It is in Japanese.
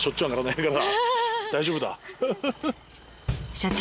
社長。